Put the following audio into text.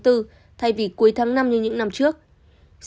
thay vì cuối tháng năm như những năm trước